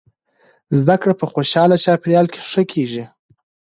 زده کړه په خوشحاله چاپیریال کې ښه کیږي.